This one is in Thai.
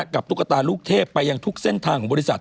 กับตุ๊กตาลูกเทพไปทุกเส้นทางบริษัท